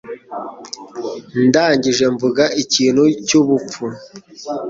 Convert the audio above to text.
Ndangije mvuga ikintu cyubupfu.